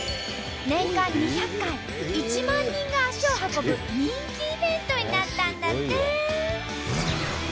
年間２００回１万人が足を運ぶ人気イベントになったんだって！